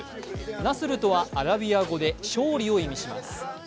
ナスルとはアラビア語で「勝利」を意味します。